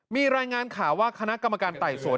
มีรายงานข่าวว่าคณะกรรมการไต่สวน